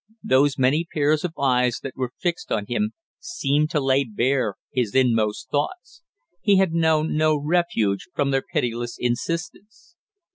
Those many pairs of eyes that were fixed on him seemed to lay bare his inmost thoughts; he had known no refuge from their pitiless insistence.